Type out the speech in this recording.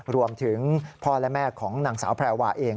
รวมถึงพ่อและแม่ของนางสาวแพรวาเอง